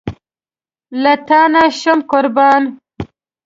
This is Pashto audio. له تانه شم قربان